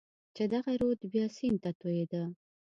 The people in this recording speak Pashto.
چې دغه رود بیا سیند ته توېېده.